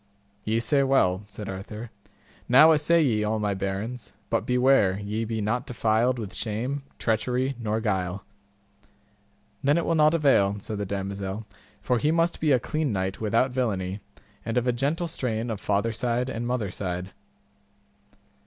Ye say well, said Arthur; now assay ye all my barons; but beware ye be not defiled with shame, treachery, nor guile. Then it will not avail, said the damosel, for he must be a clean knight without villainy, and of a gentle strain of father side and mother side.